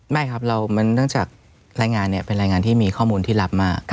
ไม่ครับเนื่องจากรายงานเนี่ยเป็นรายงานที่มีข้อมูลที่รับมาก